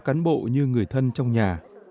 các cán bộ như người thân trong nhà